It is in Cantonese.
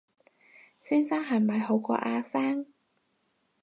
先生係咪好過阿生